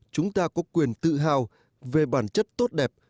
chúng ta có quyền tự hào về bản chất tốt đẹp